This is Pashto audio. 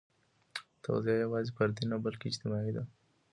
تغذیه یوازې فردي نه، بلکې اجتماعي ده.